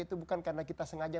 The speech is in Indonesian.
itu bukan karena kita sengaja